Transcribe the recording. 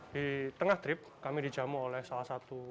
di tengah trip kami dijamu oleh salah satu